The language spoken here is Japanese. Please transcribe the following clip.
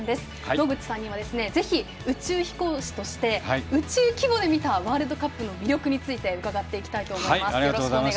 野口さんにはぜひ宇宙飛行士として宇宙規模で見たワールドカップの魅力について伺っていきたいと思います。